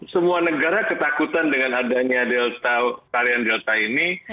semua negara ketakutan dengan adanya delta varian delta ini